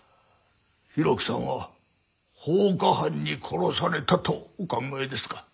浩喜さんは放火犯に殺されたとお考えですか？